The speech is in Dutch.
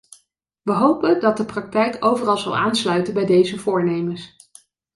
We hopen dat de praktijk overal zal aansluiten bij deze voornemens.